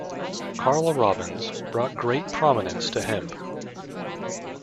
Karl Robbins brought great prominence to Hemp.